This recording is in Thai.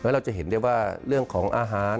เราจะเห็นได้ว่าเรื่องของอาหาร